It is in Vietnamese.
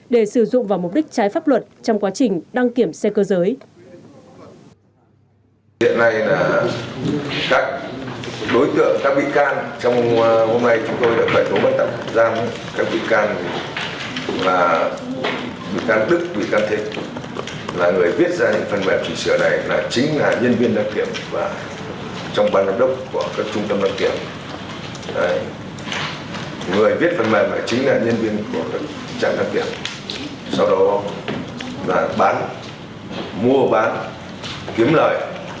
để sử dụng vào mục đích trái pháp luật trong quá trình đăng kiểm xe cơ giới